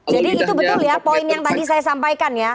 jadi itu betul ya poin yang tadi saya sampaikan ya